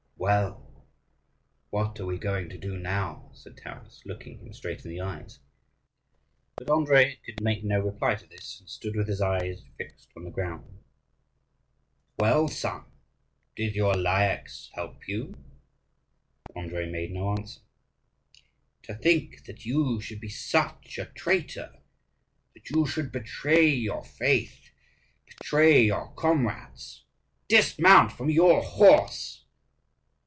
"Well, what are we going to do now?" said Taras, looking him straight in the eyes. But Andrii could make no reply to this, and stood with his eyes fixed on the ground. "Well, son; did your Lyakhs help you?" Andrii made no answer. "To think that you should be such a traitor! that you should betray your faith! betray your comrades! Dismount from your horse!"